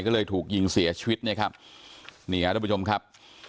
ก็เลยถูกยิงเสียชีวิตนะครับ